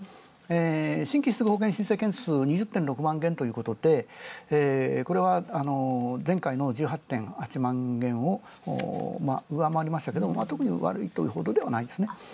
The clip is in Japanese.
新規失業保険申請件数、２０．６万件ということで、これは前回の１８．８万件を上回りましたが特に悪いというほどではないですね。